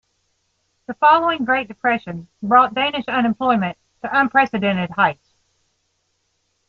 The following Great Depression brought Danish unemployment to unprecedented heights.